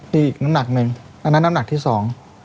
นี่อีกน้ำหนักหนึ่งอันนั้นน้ำหนักที่สอง